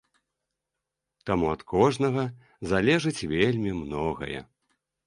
Таму ад кожнага залежыць вельмі многае.